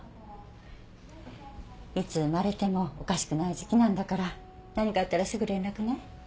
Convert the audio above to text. いつ生まれてもおかしくない時期なんだから何かあったらすぐ連絡ね。